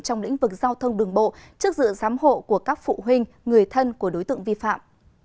trong lĩnh vực giao thông đường bộ trước dự giám hộ của các phụ huynh người thân của đối tượng vi phạm